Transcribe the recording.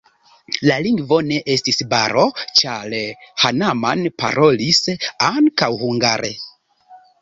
La lingvo ne estis baro, ĉar Hanaman parolis ankaŭ hungare.